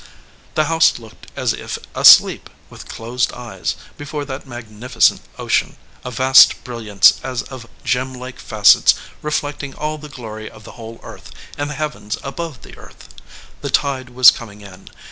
The house looked as if asleep, with closed eyes, before that magnificent ocean, a vast brilliance as of gemlike facets reflecting all the glory of the whole earth and the heavens above the earth. The tide was coming in.